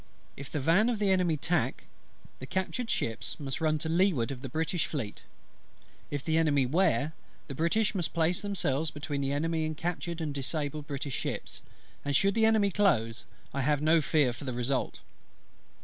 If the van of the Enemy tack, the captured ships must run to leeward of the British Fleet: if the Enemy wear, the British must place themselves between the Enemy and captured, and disabled British ships: and should the Enemy close, I have no fear for the result.